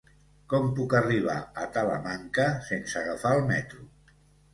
Com puc arribar a Talamanca sense agafar el metro?